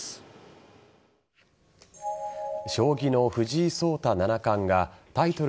将棋の藤井聡太七冠がタイトル